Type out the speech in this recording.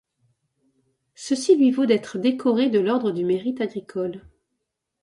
Ceci lui vaut d'être décoré de l'ordre du Mérite agricole.